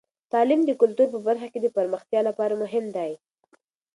تعلیم د کلتور په برخه کې د پرمختیا لپاره مهم دی.